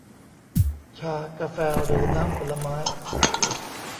ชา กาแฟ หรือน้ำผลไม้